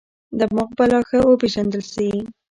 دماغ به لا ښه وپېژندل شي.